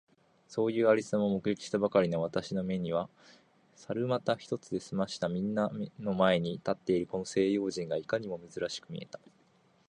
そういう有様を目撃したばかりの私の眼めには、猿股一つで済まして皆みんなの前に立っているこの西洋人がいかにも珍しく見えた。